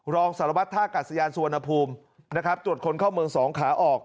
รองสารวัตรท่ากัดสยานสุวรรณภูมินะครับตรวจคนเข้าเมืองสองขาออก